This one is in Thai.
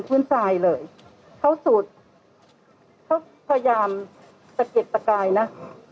พื้นสายเลยเขาสูดเขาพยายามสะเก็ดตะไก่นะ